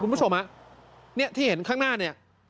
คุณผู้ชมฮะเนี่ยที่เห็นข้างหน้าเนี่ย